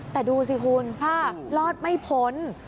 แต่ดูสิคุณรอดไม่พ้น